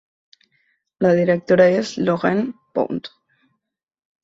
La directora és Lorraine Pound.